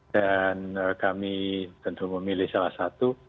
dan kami tentu memilih salah satu